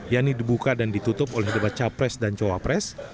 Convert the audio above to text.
yang dibuka dan ditutup oleh debat capres dan cawapres